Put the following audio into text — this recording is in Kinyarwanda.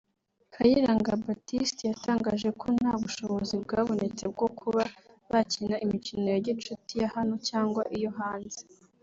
Kayiranga Baptiste yatangaje ko nta bushobozi bwabonetse bwo kuba bakina imikino ya gicuti ya hano cyangwa iyo hanze